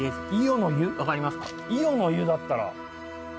伊豫の湯だったら。